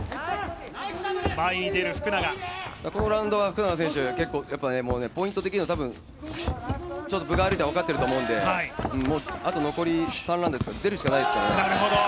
このラウンドは福永選手、ポイント的にもたぶん分が悪いのは分かっていると思うのであと残り３ラウンド、出るしかないですからね。